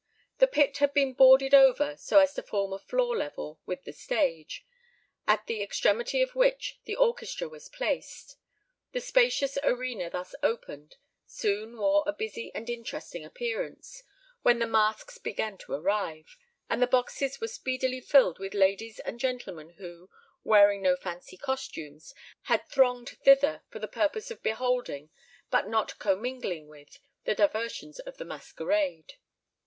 The pit had been boarded over so as to form a floor level with the stage, at the extremity of which the orchestra was placed. The spacious arena thus opened, soon wore a busy and interesting appearance, when the masques began to arrive; and the boxes were speedily filled with ladies and gentlemen who, wearing no fancy costumes, had thronged thither for the purpose of beholding, but not commingling with, the diversions of the masquerade.